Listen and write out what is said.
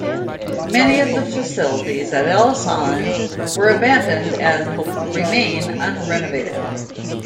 Many of the facilities at Ellis Island were abandoned and remain unrenovated.